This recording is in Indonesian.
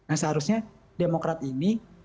nah seharusnya demokrat ini